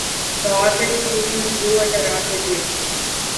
The organisation grew at a rapid rate.